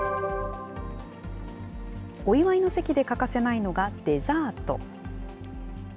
お祝いの席で欠かせないのが、デザート。